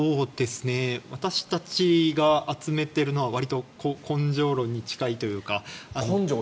私たちが集めているのはわりと根性論に近いというか。